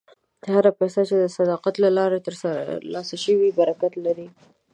هره پیسه چې د صداقت له لارې ترلاسه شوې وي، برکت لري.